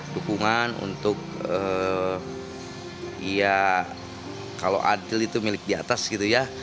dukungan untuk ya kalau adil itu milik di atas gitu ya